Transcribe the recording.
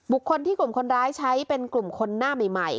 คนที่กลุ่มคนร้ายใช้เป็นกลุ่มคนหน้าใหม่